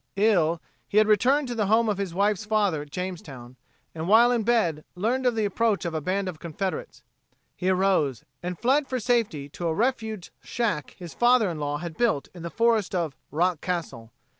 Ill, he had returned to the home of his wife's father at Jamestown, and while in bed learned of the approach of a band of Confederates. He arose and fled for safety to a refuge shack his father in law had built in the forest of "Rock Castle."